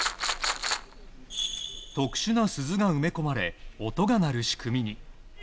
特殊な鈴が埋め込まれ音が鳴る仕組みに。